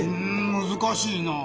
むずかしいなあ。